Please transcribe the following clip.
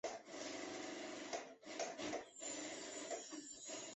高师大附中的制服有高中部和国中部两种。